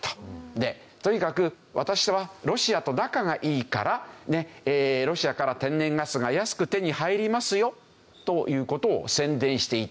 とにかく私はロシアと仲がいいからロシアから天然ガスが安く手に入りますよという事を宣伝していたという。